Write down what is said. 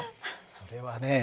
それはね